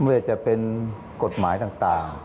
ไม่ว่าจะเป็นกฎหมายต่าง